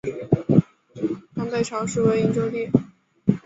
南北朝时为营州地。